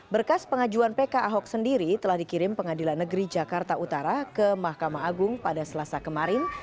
berkas pengajuan pk ahok sendiri telah dikirim pengadilan negeri jakarta utara ke mahkamah agung pada selasa kemarin